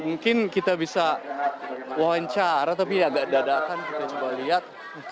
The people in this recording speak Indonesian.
mungkin kita bisa wawancara tapi agak dadakan kita coba lihat